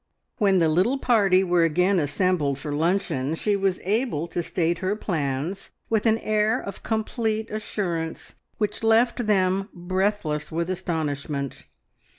When the little party were again assembled for luncheon she was able to state her plans with an air of complete assurance which left them breathless with astonishment.